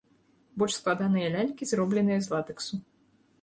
Больш складаныя лялькі зробленыя з латэксу.